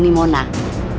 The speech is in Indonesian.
kita harus berhati hati